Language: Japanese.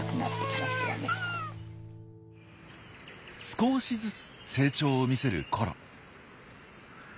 少しずつ成長を見せるコロ。